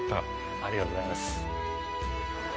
ありがとうございます。